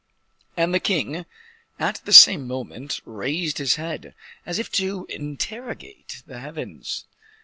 And the king, at the same moment, raised his head, as if to interrogate the heavens.